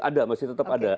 ada masih tetap ada